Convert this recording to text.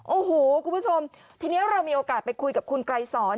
โอ้โหคุณผู้ชมทีนี้เรามีโอกาสไปคุยกับคุณไกรสอน